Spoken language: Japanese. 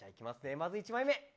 まず１枚目。